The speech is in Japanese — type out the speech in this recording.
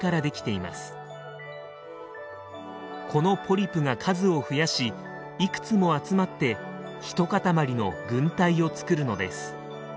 このポリプが数を増やしいくつも集まって一塊の「群体」を作るのです。